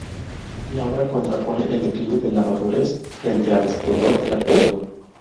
La obra contrapone el declive de la madurez frente al esplendor de la juventud.